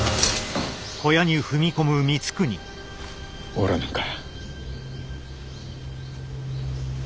おらぬか。